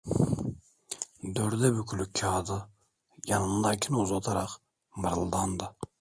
Dörde bükülü kâğıdı yanındakine uzatarak mırıldandı: